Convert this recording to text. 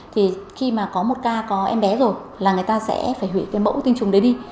thì khi mà có một ca có em bé rồi là người ta sẽ phải hủy cái mẫu tinh trùng đấy đi